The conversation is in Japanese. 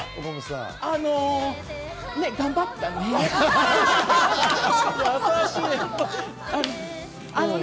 あの、頑張ったね。